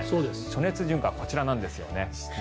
暑熱順化、こちらなんですね。